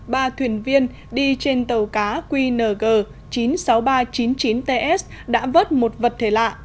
ba thuyền viên đi trên tàu cá qng chín mươi sáu nghìn ba trăm chín mươi chín ts đã vớt một vật thể lạ